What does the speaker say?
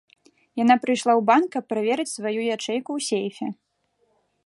Яна прыйшла ў банк, каб праверыць сваю ячэйку ў сейфе.